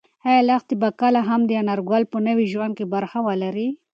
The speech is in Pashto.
ایا لښتې به کله هم د انارګل په نوي ژوند کې برخه ولري؟